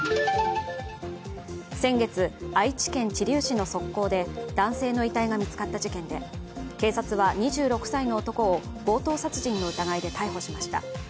先月、愛知県知立市の側溝で男性の遺体が見つかった事件で、警察は２６歳の男を強盗殺人の疑いで逮捕しました。